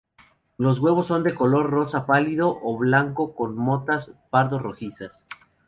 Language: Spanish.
Los huevos son de color rosa pálido o blanco con motas pardo rojizas.